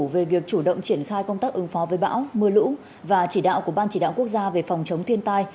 về việc chủ động triển khai công tác ứng phó với bão mưa lũ và chỉ đạo của ban chỉ đạo quốc gia về phòng chống thiên tai